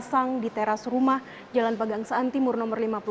pasang di teras rumah jalan pegangsaan timur no lima puluh